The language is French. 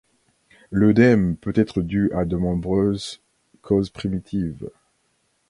L'œdème peut être dû à de nombreuses causes primitives.